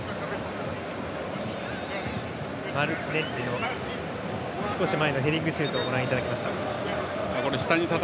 マルチネッリの少し前のヘディングシュートをご覧いただきました。